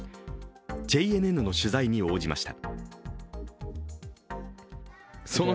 ＪＮＮの取材に応じました。